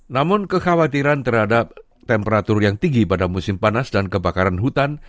namun kekhawatiran terhadap temperatur yang tinggi pada musim panas dan kebakaran hutan